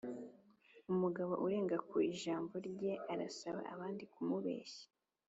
umugabo urenga ku ijambo rye arasaba abandi kumubeshya